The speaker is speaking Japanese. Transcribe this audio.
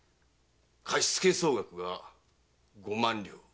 貸し付け総額が五万両。